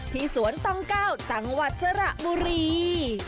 สวนต้องก้าวจังหวัดสระบุรี